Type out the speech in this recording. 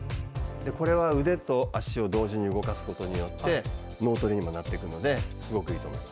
これは、腕と脚を同時に動かすことによって脳トレにもなっていくのですごくいいと思います。